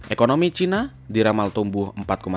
ekonomi china diramal tumbuh empat tiga